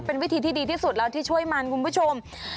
เป็นวิธีที่ดีที่สุดแล้วที่ช่วยมันคุณผู้ชม